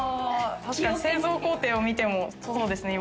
製造工程を見てもそうですね。